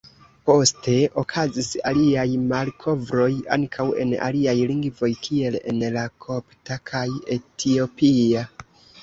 Poste okazis aliaj malkovroj ankaŭ en aliaj lingvoj kiel en la kopta kaj etiopia.